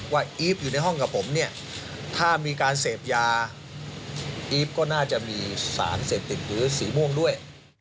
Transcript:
อีฟอยู่ในห้องกับผมเนี่ยถ้ามีการเสพยาอีฟก็น่าจะมีสารเสพติดหรือสีม่วงด้วย